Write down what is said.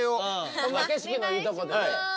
こんな景色のいいとこでね。